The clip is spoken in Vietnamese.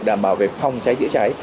đảm bảo về phòng cháy chữa cháy